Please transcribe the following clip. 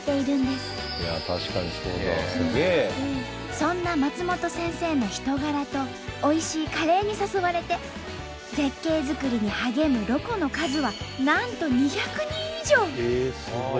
そんな松本先生の人柄とおいしいカレーに誘われて絶景づくりに励むロコの数はなんとへえすごい！